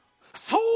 そう！